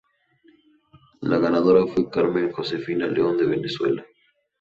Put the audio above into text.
La ganadora fue Carmen Josefina León de Venezuela.